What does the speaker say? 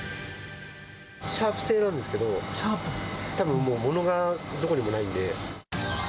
シャープ製なんですけど、たぶん、もう物がどこにもないんで。